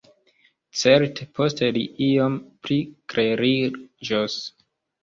Certe poste li iom pli kleriĝos.